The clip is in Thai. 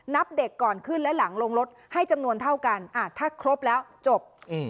เด็กก่อนขึ้นและหลังลงรถให้จำนวนเท่ากันถ้าครบแล้วจบ